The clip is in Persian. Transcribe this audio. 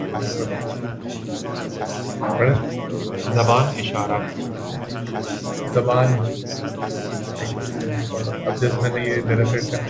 زبان اشارت